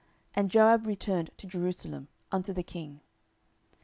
And Joab returned to Jerusalem unto the king.